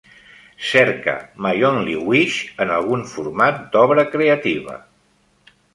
Cerca My Only Wish en algun format d'obra creativa